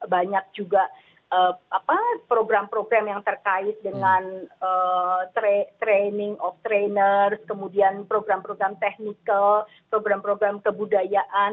banyak juga program program yang terkait dengan training of trainers kemudian program program technical program program kebudayaan